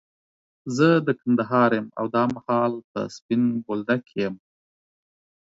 زه د کندهار يم، او دا مهال په سپين بولدک کي يم.